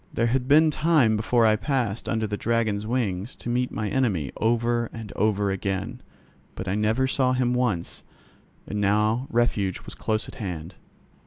There had been time before I passed under the Dragon's wings to meet my enemy over and over again, but I never saw him once, and now refuge was close at hand.